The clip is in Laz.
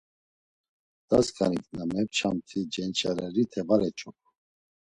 Dasǩanik, na mepçamt̆i cenç̌areriti var eç̌opu.